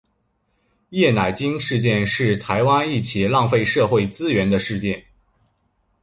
叶乃菁事件是台湾一起浪费社会资源的事件。